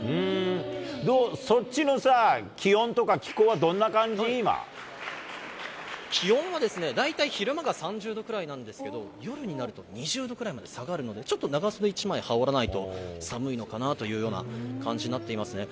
そっちのさ、気温とか気温は大体、昼間が３０度くらいなんですけど、夜になると２０度くらいまで下がるので、ちょっと長袖１枚羽織らないと、寒いのかなというような感じになっていますね。